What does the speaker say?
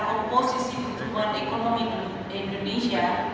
komposisi pertumbuhan ekonomi indonesia